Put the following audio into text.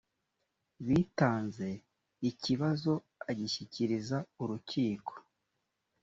bitanze ikibazo agishyikiriza urukiko